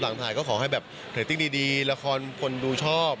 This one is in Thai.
หลังถ่ายก็ขอให้แบบเรตติ้งดีละครคนดูชอบ